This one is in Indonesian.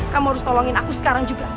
kamu harus tolongin aku sekarang juga